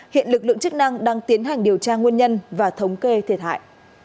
hiện lực lượng chức năng đang tiến hành điều tra nguyên nhân và thống kê thiệt hại